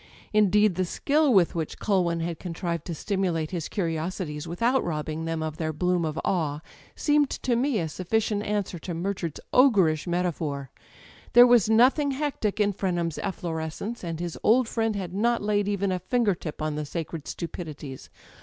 Indeed, the skill with which Culwin had con trived to stimulate his curiosities without robbing them of their bloom of awe seemed to me a suflicient answer to Murchard's ogreish metaphor. There was nothing hectic in Frenham's efflorescence, and his old friend had not laid even a finger tip on the sacred stupidities.